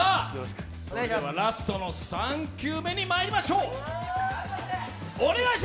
ラストの３球目にまいりましょう。